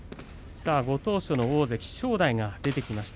さあ、ご当所の大関正代が出てきました。